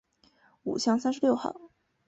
五巷三十六号